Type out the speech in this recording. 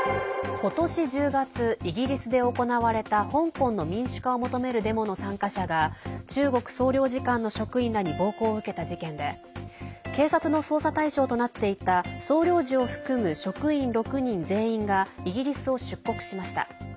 今年１０月イギリスで行われた香港の民主化を求めるデモの参加者が中国総領事館の職員らに暴行を受けた事件で警察の捜査対象となっていた総領事を含む職員６人全員がイギリスを出国しました。